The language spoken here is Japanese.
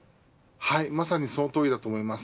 まさにそのとおりだと思います。